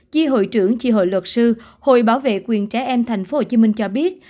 chi hội trưởng chi hội luật sư hội bảo vệ quyền trẻ em tp hcm cho biết